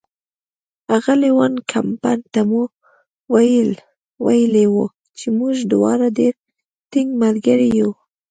اغلې وان کمپن ته مو ویلي وو چې موږ دواړه ډېر ټینګ ملګري یو.